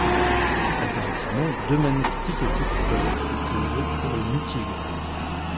Alternativement, deux manettes plus petites peuvent être utilisées pour le multijoueur.